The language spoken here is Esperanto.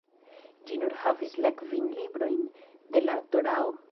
Ĝi nur havis la kvin librojn de la Torao.